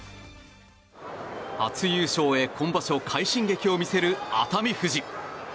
初優勝へ今場所快進撃を見せる熱海富士。